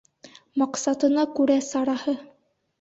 Маҡсатына күрә сараһы.